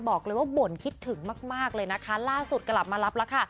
บอกเลยว่าบ่นคิดถึงมากเลยนะคะล่าสุดกลับมารับแล้วค่ะ